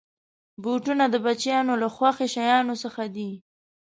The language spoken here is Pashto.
بوټونه د بچیانو له خوښې شيانو څخه دي.